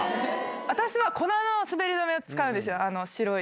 私は粉の滑り止めを使うんですよ、白い。